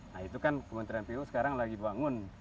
nah itu kan kementerian pu sekarang lagi bangun